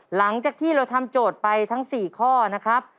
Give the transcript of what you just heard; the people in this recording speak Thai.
หลังจากที่เราทำโจทย์ไปทั้ง๔ข้อนะครับ